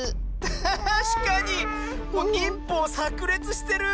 たしかに！にんぽうさくれつしてる！